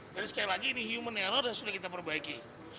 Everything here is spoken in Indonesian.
jadi sekali lagi ini human error dan sudah kita perbaiki